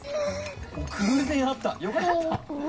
偶然合った。よかった。